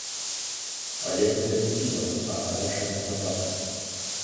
Але гэта не піва, а гарачая гарбата.